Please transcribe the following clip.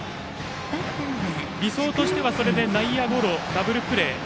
理想としてはそれで内野ゴロ、ダブルプレー。